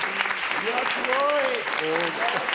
いや、すごい。